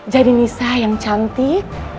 jadi nisa yang cantik